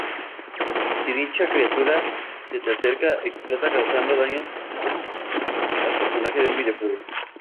Si dicha criatura se te acerca, explota causando daños al personaje del videojuego.